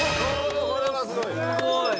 すごい！